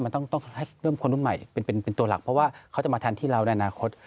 มันต้องให้เริ่มคนรุ่นใหม่เป็นตัวหลักเพราะว่าเขาจะมาแทนที่เราในอนาคต